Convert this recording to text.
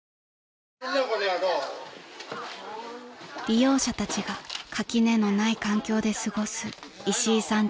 ［利用者たちが垣根のない環境で過ごすいしいさん